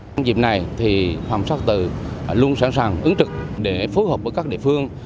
trong dịp này phòng cảnh sát tự luôn sẵn sàng ứng trực để phối hợp với các địa phương